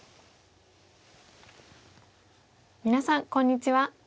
皆さんこんにちは。